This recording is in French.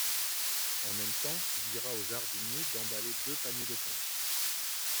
En même temps, tu diras au jardinier d’emballer deux paniers de pêches.